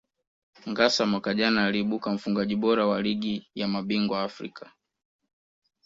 Ngassa mwaka jana aliibuka mfungaji bora wa Ligi ya mabingwa Afrika